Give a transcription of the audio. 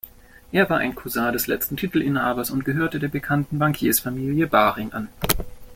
Er war ein Cousin des letzten Titelinhabers und gehörte der bekannten Bankiers-Familie Baring an.